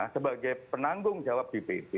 sebagai penanggung jawab di pt